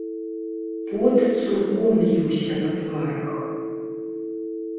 Пот цурком ліўся па тварах.